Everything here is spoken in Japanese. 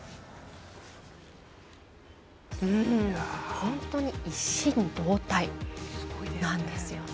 本当に一心同体なんですよね。